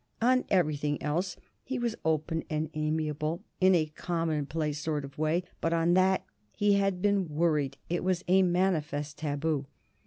On everything else he was open and amiable in a commonplace sort of way, but on that he had been worried it was a manifest taboo.